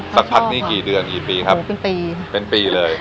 สักพักนี่กี่ปีครับเป็นปีเลย